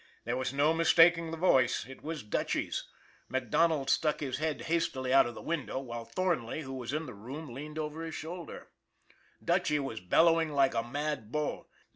There was no mistaking the voice it was Dutchy's. MacDonald stuck his head hastily out of the window, while Thornley, who was in the room, leaned over his shoulder. 296 ON THE IRON AT BIG CLOUD: Dutchy was bellowing like a mad bull.